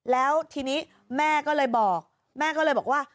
แล้วทีนี้แม่ก็เลยบอกแม่ก็เลยบอกว่า